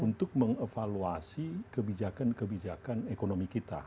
untuk mengevaluasi kebijakan kebijakan ekonomi kita